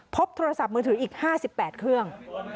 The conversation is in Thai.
พบโทรศัพท์มือถืออีก๕๘เครื่อง